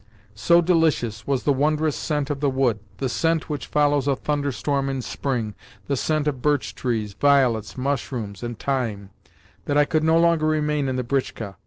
So delicious was the wondrous scent of the wood, the scent which follows a thunderstorm in spring, the scent of birch trees, violets, mushrooms, and thyme, that I could no longer remain in the britchka.